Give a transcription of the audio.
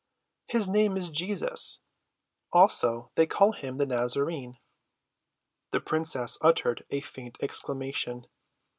"His name is Jesus; also they call him the Nazarene." The princess uttered a faint exclamation.